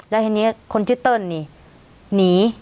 แล้วทีนี้คนชื่อเติ้ลนี่หนี